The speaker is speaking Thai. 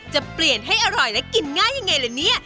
จะเปลี่ยนให้อร่อยและกินง่ายยังไงล่ะเนี่ย